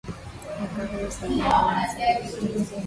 mwaka huo sabini na nane sabini na tisa